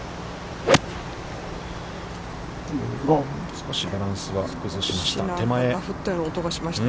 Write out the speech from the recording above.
少しバランスは崩しました。